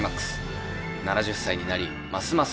７０歳になりますます